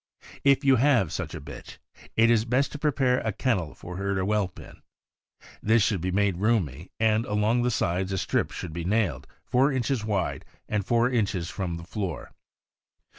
If you have such a bitch, it is best to prepare a kennel for her to whelp in. This should be made roomy, and along the sides a strip should be nailed, four inches wide, and four inches from the floor.